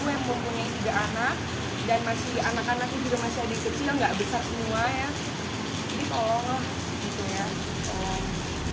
mempunyai tiga anak dan masih anak anaknya juga masih di kecil nggak besar semua ya jadi tolong